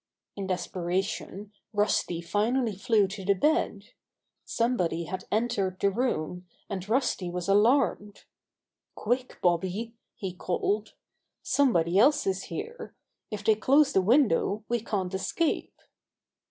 In desperation, Rusty finally flew to the bed. Somebody had entered the room, and Rusty was alarmed. "Quick, Bobby," he called. "Somebody else is here. If they close the window we can't escape."